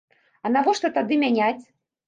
А навошта тады мяняць?